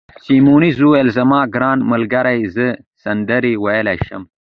سیمونز وویل: زما ګرانه ملګرې، زه سندرې ویلای شم.